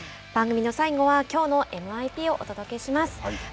番組の最後は「きょうのＭＩＰ」をお伝えします。